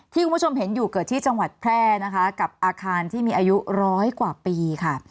คุณผู้ชมเห็นอยู่เกิดที่จังหวัดแพร่นะคะกับอาคารที่มีอายุร้อยกว่าปีค่ะ